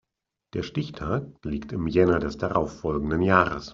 Der Stichtag liegt im Jänner des darauf folgenden Jahres.